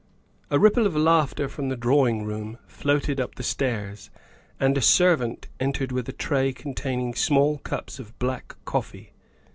A ripple of laughter from the drawing room floated up the stairs, and a servant entered with a tray contain ing small cups of black coffee.